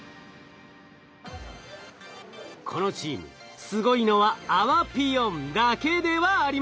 このチームすごいのはあわぴよんだけではありません。